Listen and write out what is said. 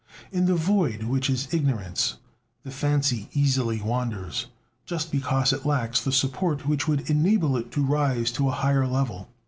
In the void which is ignorance, the fancy easily wanders, just because it lacks the support which would enable it to rise to a higher level.